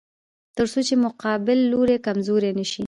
تر څو چې مقابل لوری کمزوری نشي.